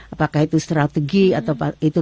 apakah itu strategi atau